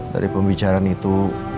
dari pembicaraan itu